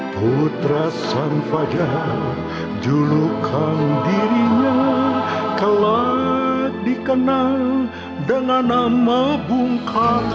putra sang fajar julukan dirinya telah dikenal dengan nama bung karno